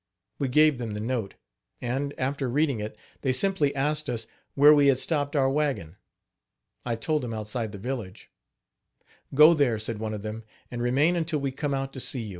We gave them the note; and, after reading it, they simply asked us where we had stopped our wagon. I told them outside the village. "Go there," said one of them, "and remain until we come out to see you.